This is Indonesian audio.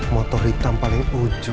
motor hitam paling ujung